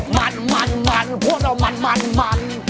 มันมันมันพวกเรามันมันมัน